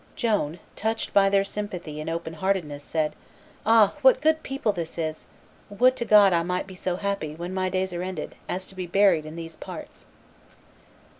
Joan, touched by their sympathy and open heartedness, said, "Ah! what a good people is this! Would to God I might be so happy, when my days are ended, as to be buried in these parts!"